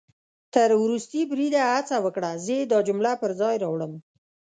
تر ورستي بریده هڅه وکړه، زه يې دا جمله پر ځای راوړم